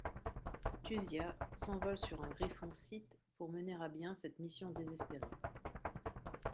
Thusia s'envole sur un griffon scythe pour mener à bien cette mission désespérée.